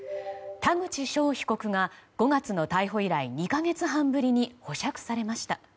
田口翔被告が５月の逮捕以来、２か月半ぶりに保釈されました。